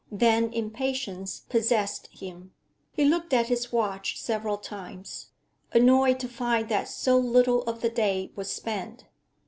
Then impatience possessed him. He looked at his watch several times, annoyed to find that so little of the day was spent.